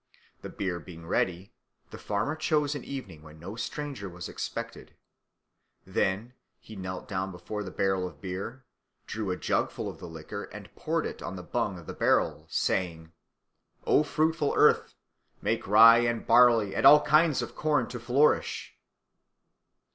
The beer being ready, the farmer chose an evening when no stranger was expected. Then he knelt down before the barrel of beer, drew a jugful of the liquor and poured it on the bung of the barrel, saying, "O fruitful earth, make rye and barley and all kinds of corn to flourish."